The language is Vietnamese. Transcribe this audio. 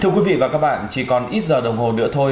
thưa quý vị và các bạn chỉ còn ít giờ đồng hồ nữa thôi